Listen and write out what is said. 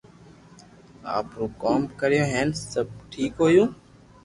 آپرو ڪوم ڪريو ھين سب ٺيڪ ھويو